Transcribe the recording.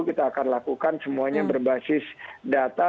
kita akan lakukan semuanya berbasis data